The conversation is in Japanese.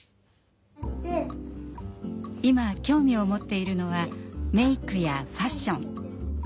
今興味を持っているのはメークやファッション。